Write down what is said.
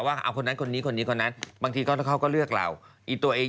อันดับแรกที่รับงานก็คือรับเลย